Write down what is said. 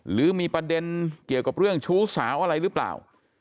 หรือมีประเด็นเกี่ยวกับเรื่องชู้สาวอะไรหรือเปล่า